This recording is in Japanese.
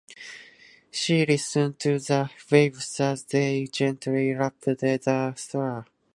She listened to the waves as they gently lapped the shore.